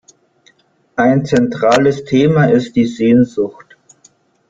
Ein zentrales Thema ist die Sehnsucht.